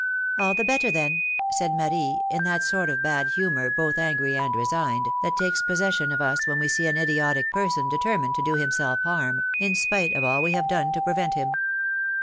^^All the better, then," said Marie, in that sort of bad humor both angry and resigned, that takes possession of us when we see an idiotic person determined to do himself harm, in spite of all we have done to prevent him.